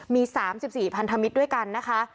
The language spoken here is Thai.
มี๓๔พันธมิตรด้วยกันนะคะ